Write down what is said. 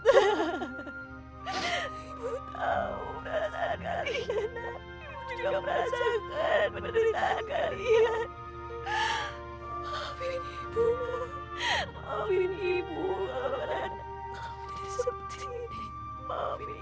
ibu gak pernah mau melahirkan kalian dengan keadaan seperti ini